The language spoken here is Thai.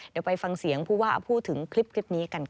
เดี๋ยวไปฟังเสียงผู้ว่าพูดถึงคลิปนี้กันค่ะ